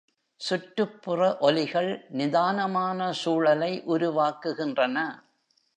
சுற்றுப்புற ஒலிகள் நிதானமான சூழலை உருவாக்குகின்றன.